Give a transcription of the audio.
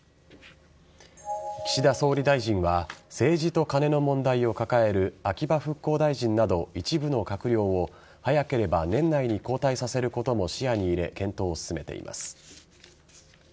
岸田総理大臣は政治とカネの問題を抱える秋葉復興大臣など一部の閣僚を早ければ年内に交代させることも視野に入れ検討を進めています。